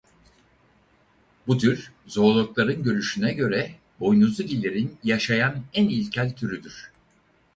Bu tür Zoologların görüşüne göre boynuzlugillerin yaşayan en ilkel türüdür.